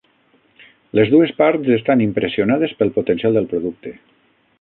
Les dues parts estan impressionades pel potencial del producte.